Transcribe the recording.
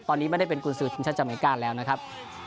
ตอนนี้ไม่ได้เป็นกุญสือทีมชาติอเมริกาแล้วนะครับ